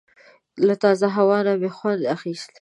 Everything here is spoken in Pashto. له تازه هوا نه مې خوند اخیست.